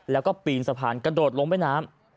แล้วก็ปีนสะพานกระโดดลงแม่น้ำ